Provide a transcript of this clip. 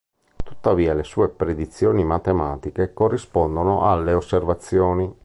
Tuttavia le sue predizioni matematiche corrispondono alle osservazioni.